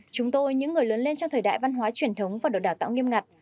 chúng tôi những người lớn lên trong thời đại văn hóa truyền thống và được đào tạo nghiêm ngặt